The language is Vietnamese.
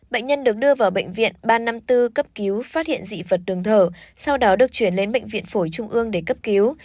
bệnh nhân được đưa vào bệnh viện ba trăm năm mươi bốn cấp cứu phát hiện dị vật đường thở sau đó được chuyển lên bệnh viện phổi trung ương để cấp cứu